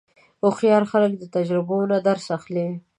هوښیار خلک د تجربو نه درس اخلي.